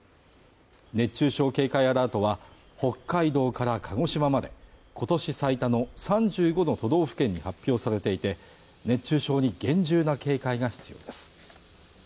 熱中症警戒アラートは北海道から鹿児島まで今年最多の３５の都道府県に発表されていて熱中症に厳重な警戒が必要です